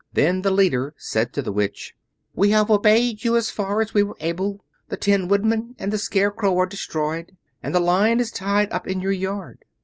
Then the leader said to the Witch: "We have obeyed you as far as we were able. The Tin Woodman and the Scarecrow are destroyed, and the Lion is tied up in your yard.